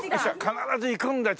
必ず行くんだよ